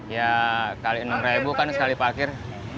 ya kali enam ribu kan sekali parkir